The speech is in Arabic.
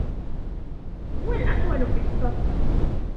هو الأطول في الصف.